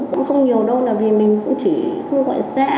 cũng không nhiều đâu là vì mình cũng chỉ không gọi xe